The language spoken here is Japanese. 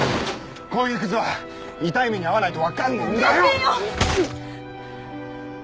こういうクズは痛い目に遭わないと分かんねえんだよ！